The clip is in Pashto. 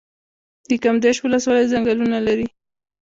د کامدیش ولسوالۍ ځنګلونه لري